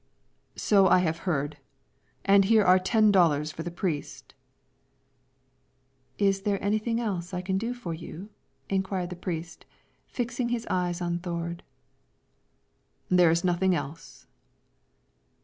"So I have heard; and here are ten dollars for the priest." "Is there anything else I can do for you?" inquired the priest, fixing his eyes on Thord. "There is nothing else."